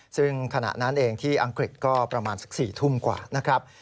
ซึ่งขณะนั้นเองที่อังกฤษก็ประมาณสัก๔ทุ่มกว่านะครับ